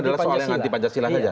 adalah soal yang anti pancasila saja